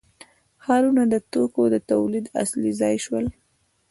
ښارونه د توکو د تولید اصلي ځای شول.